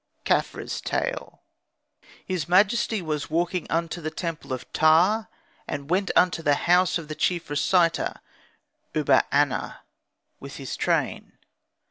KHAFRA'S TALE "His majesty was walking unto the temple of Ptah, and went unto the house of the chief reciter Uba aner, with his train.